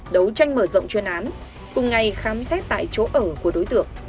đấu tranh mở rộng chuyên án cùng ngày khám xét tại chỗ ở của đối tượng